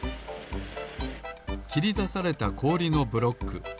きりだされたこおりのブロック。